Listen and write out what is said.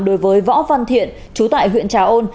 đối với võ văn thiện chú tại huyện trà ôn